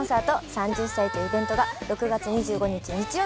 「３０祭」というイベントが６月２５日日曜日